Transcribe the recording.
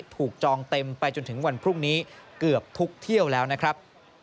จองเต็มไปจนถึงวันพรุ่งนี้เกือบทุกเที่ยวแล้วนะครับ